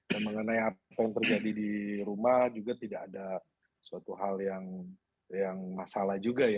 dan mengenai apa yang terjadi di rumah juga tidak ada suatu hal yang masalah juga